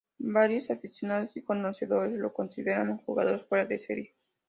Varios aficionados y conocedores lo consideran un jugador fuera de serie.